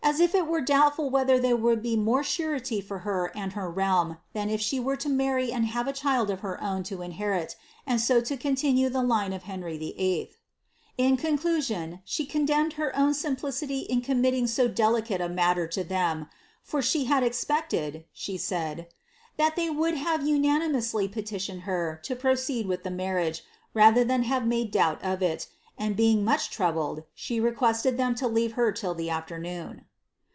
if it were doubtful whether there would be more sureiv for her and her realm, than if she were to marry and have a child of het own to inherit, and so to continue the line of Henry VIII."' In con clusion, she condemned her own simplicity in committing so deliniei matter to them, for " she had expected," she said, " that they woulil have unanimously petitioned her to proceed with the marriage, raihet than have made doubt of it; and being much troubled, she requested them to leave her till the afternoon."